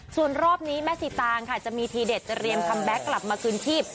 ส่วนรอบนี้แม่สีตางค่ะจะมีทีเด็ดเตรียมคัมแบ็คกลับมาคืนชีพ